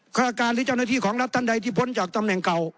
ฆาตการหรือเจ้าหน้าที่ของรัฐท่านใดที่พ้นจากตำแหน่งเก่า